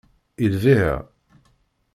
I lbiε?